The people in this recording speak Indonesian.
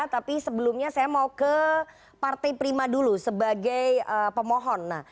tapi sebelumnya saya mau ke partai prima dulu sebagai pemohon